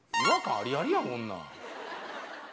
ありありやこんなん。